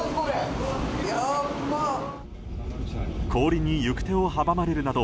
氷に行く手を阻まれるなど